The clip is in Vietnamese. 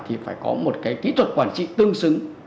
thì phải có một cái kỹ thuật quản trị tương xứng